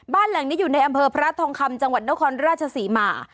บ้านหลังนี้อยู่ในอำเภอพระทองคำจังหวัดนครราชศรีมา